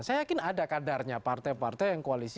saya yakin ada kadarnya partai partai yang koalisi